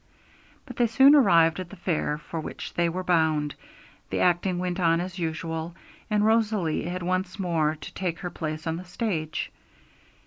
But they soon arrived at the fair for which they were bound, the acting went on as usual, and Rosalie had once more to take her place on the stage.